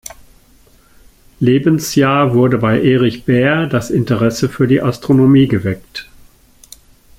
Lebensjahr wurde bei Erich Bär das Interesse für die Astronomie geweckt.